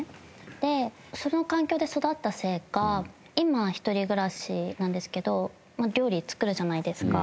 でその環境で育ったせいか今一人暮らしなんですけど料理作るじゃないですか。